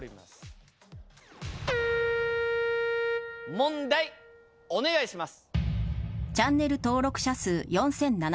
問題お願いします。